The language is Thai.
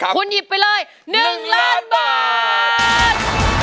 คุณหยิบไปเลย๑ล้านบาท